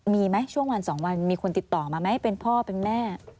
มีไหมช่วงวัน๒วันมีคนติดต่อมาไหมเป็นพ่อเป็นแม่